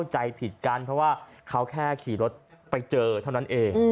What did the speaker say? ใจผิดกันเพราะว่าเขาแค่ขี่รถไปเจอเท่านั้นเอง